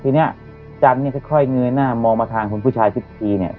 ทีเนี้ยจันทร์เนี้ยค่อยค่อยเงยหน้ามองมาทางผู้ชายชื่อทีเนี้ย